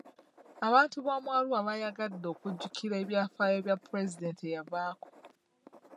Abantu b'omu Arua baayagadde okujjukira ebyafaayo bya pulezidenti eyavaako.